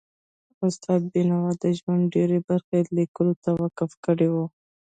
استاد بینوا د ژوند ډېره برخه لیکلو ته وقف کړي وه.